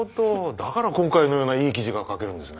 だから今回のようないい記事が書けるんですね。